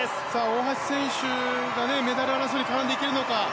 大橋選手がメダル争いに絡んでいけるのか。